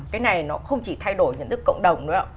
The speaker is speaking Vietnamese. cái này nó không chỉ thay đổi nhận thức cộng đồng nữa ạ